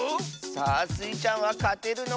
さあスイちゃんはかてるのか。